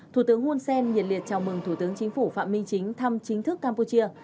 thủ tướng hun sen nhiệt liệt chào mừng thủ tướng chính phủ phạm minh chính thăm chính thức campuchia